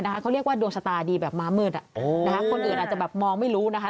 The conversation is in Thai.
เขาเรียกว่าดวงชะตาดีแบบม้ามืดคนอื่นอาจจะแบบมองไม่รู้นะคะ